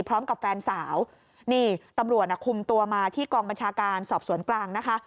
พร้อมกับแฟนสาวนี่ตำรวจคุมตัวมาที่กองบัญชาการสอบสวนกลางนะคะ